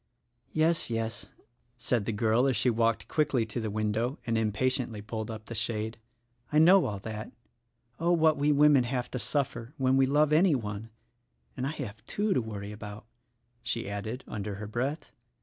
"Yes, yes!" said the girl as she walked quickly to the 9 io THE RECORDING ANGEL window and impatiently pulled up the shade, "I know all that. Oh, what we women have to suffer, when we love any one; and I have two to worry about," she added, under her breath.